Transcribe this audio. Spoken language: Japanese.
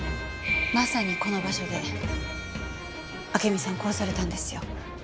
まさにこの場所で暁美さん殺されたんですよ。